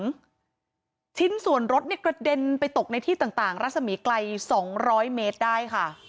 ค่าดส่วนรถกระเด็นไปตกในที่ต่างรัศมีค์ไกลอยู่สองร้อยเมตรได้